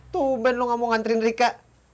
tumben lo ga mau nganterin rika